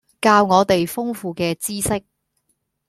教我哋豐富嘅知識